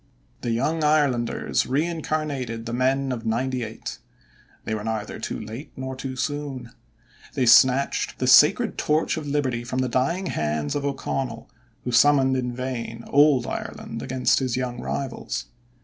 The Young Irelanders reincarnated the men of "ninety eight." They were neither too late nor too soon. They snatched the sacred torch of Liberty from the dying hands of O'Connell, who summoned in vain old Ireland against his young rivals.